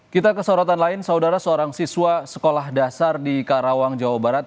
kita ke sorotan lain saudara seorang siswa sekolah dasar di karawang jawa barat